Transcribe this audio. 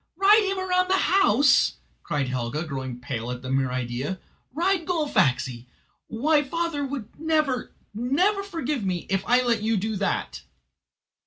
"Ride him round the house!" cried Helga, growing pale at the mere idea. "Ride Gullfaxi! Why father would never, never forgive me, if I let you do that."